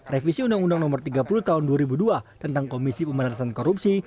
revisi undang undang nomor tiga puluh tahun dua ribu dua tentang komisi pemberantasan korupsi